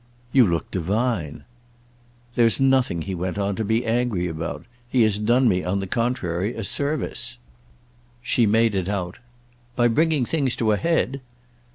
"You look divine!" "There's nothing," he went on, "to be angry about. He has done me on the contrary a service." She made it out. "By bringing things to a head?"